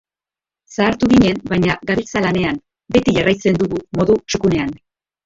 Zahartu ginen baina gabiltza lanean, beti jarraitzen dugu modu txukunean.